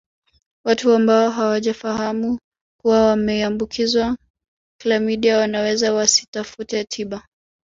Watu ambao hawajafahamu kuwa wameambukizwa klamidia wanaweza wasitafute tiba